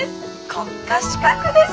国家資格です！